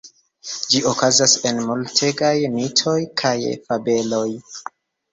Ĝi okazas en multegaj mitoj kaj fabeloj.